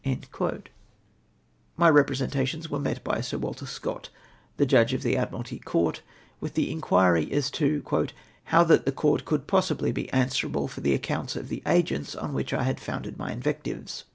^' My representations were met by Sir Williiini Scott, the Judge of the Admirahy Court, with the inquiry as to "how that Court could possibly be answerable for the accounts of the agents on which I had founded my invectives